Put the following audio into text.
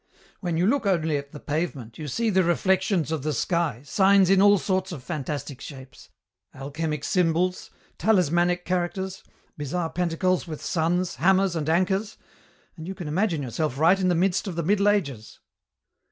When you look only at the pavement you see the reflections of the sky signs in all sorts of fantastic shapes; alchemic symbols, talismanic characters, bizarre pantacles with suns, hammers, and anchors, and you can imagine yourself right in the midst of the Middle Ages."